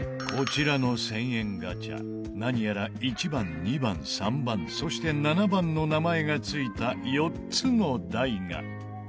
こちらの１０００円ガチャ何やら１番２番３番そして７番の名前が付いた４つの台が。